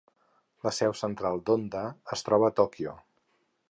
La seu central d'Honda es troba a Tòquio.